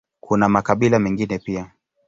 Kuna makabila mengine pia.